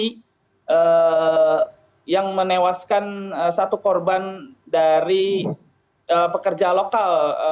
mereka juga mengungsi yang menewaskan satu korban dari pekerja lokal